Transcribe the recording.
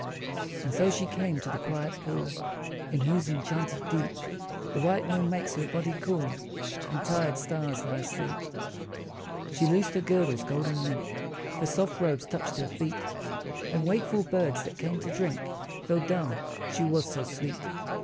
And so she came to the quiet pool In whose enchanted deep The white moon makes her body cool And tired stars lie asleep. She loosed her girdle's golden link, Her soft robes touched her feet, And wakeful birds that came to drink Fell dumb she was so sweet.